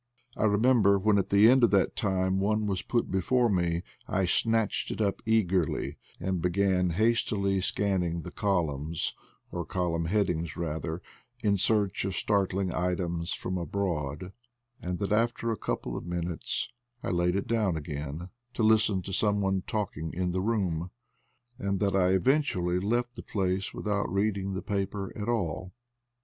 I remember, when at the end of that time one was put before me, I snatched it up eagerly, and began hastily scanning the columns, or column headings rather, in search of startling items from abroad, and that after a couple of minutes I laid it down again to listen to some one talking in the room, and that I eventually left the place without reading the paper at all.